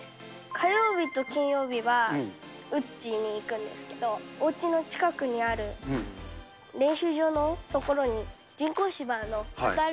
火曜日と金曜日は打ちに行くんですけれども、おうちの近くにある練習場の所に人工芝のパター